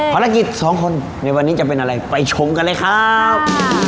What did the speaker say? ภารกิจสองคนในวันนี้จะเป็นอะไรไปชมกันเลยครับ